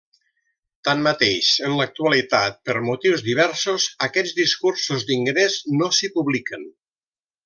Tanmateix, en l'actualitat, per motius diversos, aquests discursos d'ingrés no s'hi publiquen.